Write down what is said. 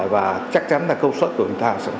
và chắc chắn là công suất của chúng ta